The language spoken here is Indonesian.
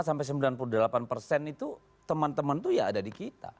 sampai sembilan puluh delapan persen itu teman teman itu ya ada di kita